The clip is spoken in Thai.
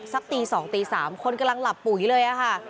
สักตี๒ตี๓คนกำลังหลับปุ๋ยเลยค่ะ